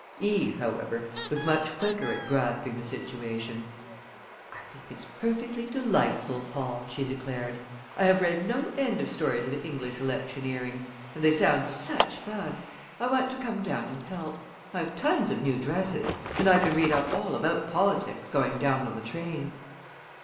Eve, however, was much quicker at grasping the situation. "I think it's perfectly delightful, Paul!" she declared. "I have read no end of stories of English electioneering, and they sound such fun! I want to come down and help. I have tons of new dresses and I can read up all about politics going down on the train."